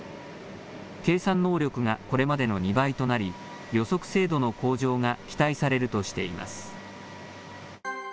計算能力がこれまでの２倍となり、予測精度の向上が期待されるとしています。